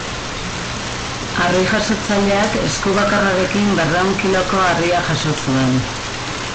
Harri-jasotzaileak, esku bakarrarekin berrehun kiloko harria jaso zuen.